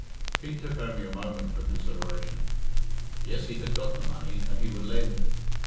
Pete took only a moment for consideration. Yes, he had got the money, and he would lend it.